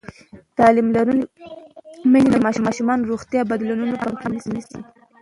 تعلیم لرونکې میندې د ماشومانو د روغتیا بدلونونه په پام کې نیسي.